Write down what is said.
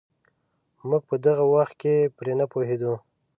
موږ په دغه وخت کې پرې نه پوهېدو.